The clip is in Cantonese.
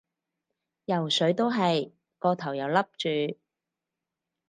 游水都係，個頭又笠住